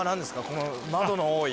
この窓の多い。